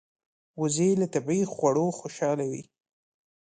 وزې له طبیعي خواړو خوشاله وي